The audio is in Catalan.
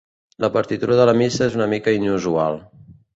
La partitura de la missa és una mica inusual.